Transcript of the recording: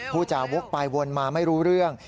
ผู้จาวกไปวนมาไม่รู้เรื่อง